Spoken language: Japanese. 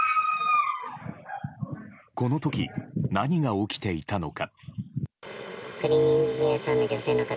この時、何が起きていたのか。